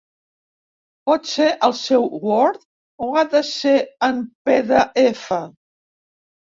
Pot ser el seu word o ha de ser en pe de efa?